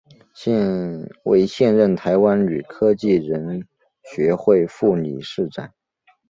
为现任台湾女科技人学会副理事长。